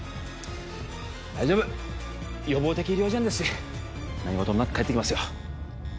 大丈夫予防的医療事案ですし何事もなく帰ってきますよ